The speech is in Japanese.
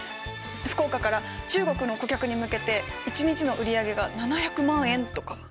福岡から中国の顧客に向けて一日の売り上げが７００万円とか。